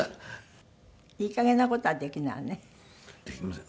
いい加減な事はできないわね。